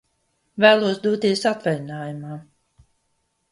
Vēlos doties atvaļinājumā!